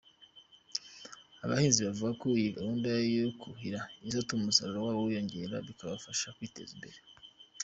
Abahinzi bavuga ko iyi gahunda yo kuhira izatuma umusaruro wabo wiyongera bikabafasha kwiteza imbere.